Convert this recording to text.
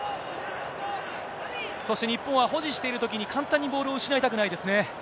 そして日本は保持しているときに、簡単にボールを失いたくないですね。